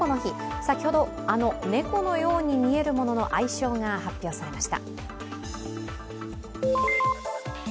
先ほど、あの猫のように見えるものの愛称が発表されました。